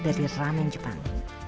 dari ramen jepang